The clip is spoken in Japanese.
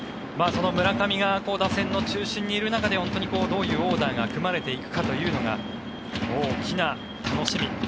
その村上が打線の中心にいる中でどういうオーダーが組まれていくかというのが大きな楽しみ。